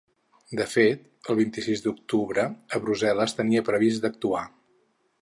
De fet, el vint-i-sis d’octubre a Brussel·les tenia previst d’actuar.